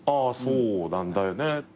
そうなんだよね。